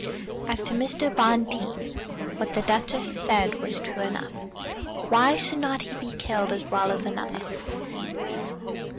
As to Mr. Bonteen, what the Duchess said was true enough; why should not he be killed as well as another?